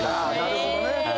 なるほどね。